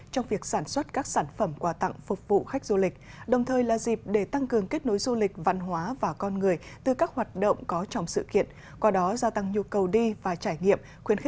thứt hiện phản ứng bằng cách viêm